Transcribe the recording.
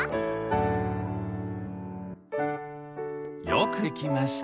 よくできました。